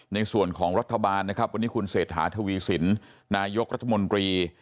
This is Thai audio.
ในส่วนของรัฐบาลนะครับวันนี้คุณเศรษฐาทวีสินนายกรัฐมนตรี